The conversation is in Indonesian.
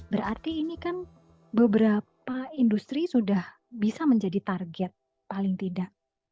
berarti ini kan beberapa industri sudah bisa menjadi target paling tidak